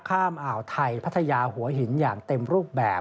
อ่าวไทยพัทยาหัวหินอย่างเต็มรูปแบบ